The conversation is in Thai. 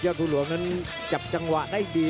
เยาะธูรวงนั้นจับจังหวะได้ดี